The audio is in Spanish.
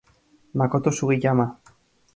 Makoto Sugiyama